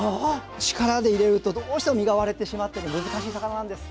力で入れるとどうしても身が割れてしまって難しい魚なんです。